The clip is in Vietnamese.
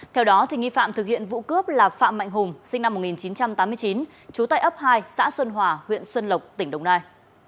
theo đó nghi phạm thực hiện vụ cướp là phạm mạnh hùng sinh năm một nghìn chín trăm tám mươi chín trú tại ấp hai xã xuân hòa huyện xuân lộc tỉnh đồng nai